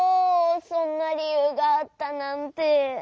そんなりゆうがあったなんて。